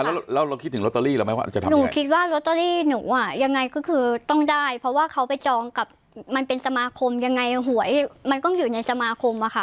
แล้วเราคิดถึงลอตเตอรี่เราไหมว่าจะทำหนูคิดว่าลอตเตอรี่หนูอ่ะยังไงก็คือต้องได้เพราะว่าเขาไปจองกับมันเป็นสมาคมยังไงหวยมันต้องอยู่ในสมาคมอะค่ะ